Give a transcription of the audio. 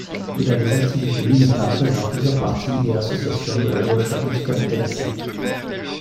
Il a des activités militantes dans plusieurs partis et associations de la gauche anticapitaliste.